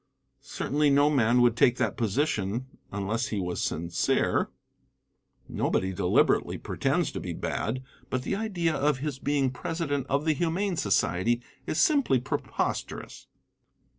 Certainly no man would take that position unless he was sincere. Nobody deliberately pretends to be bad, but the idea of his being president of the Humane Society is simply preposterous.